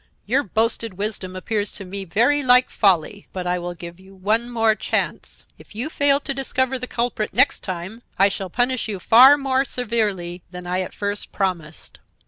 Your boasted wisdom appears to me very like folly; but I will give you one more chance. If you fail to discover the culprit next time, I shall punish you far more severely than I at first promised."